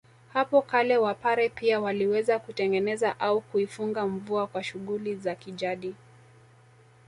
Hapo kale wapare pia waliweza kutengeneza au kuifunga mvua kwa shughuli za kijadi